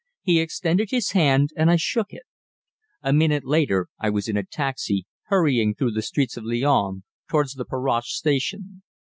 He extended his hand, and I shook it. A minute later I was in a taxi, hurrying through the streets of Lyons towards the Perrache station.